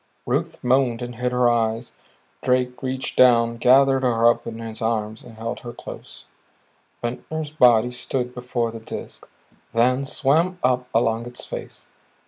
Ruth moaned and hid her eyes; Drake reached down, gathered her up in his arms, held her close. Ventnor's body stood before the Disk, then swam up along its face.